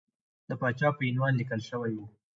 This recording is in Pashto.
د پاچا په عنوان لیکل شوی وو.